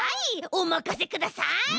おまかせください！